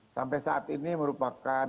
sampai saat ini merupakan